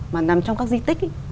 mà nằm trong các di tích ấy